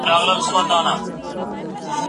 لکه خلاص چی بندیوان سي له محبسه